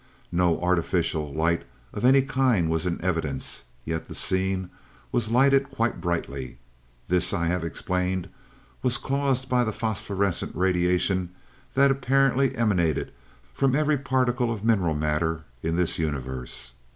"No artificial light of any kind was in evidence, yet the scene was lighted quite brightly. This, I have explained, was caused by the phosphorescent radiation that apparently emanated from every particle of mineral matter in this universe.